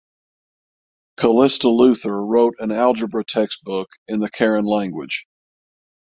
Calista Luther wrote an algebra textbook in the Karen language.